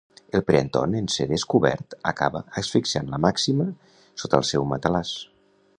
El Pere Anton, en ser descobert, acaba asfixiant la Màxima sota el seu matalàs.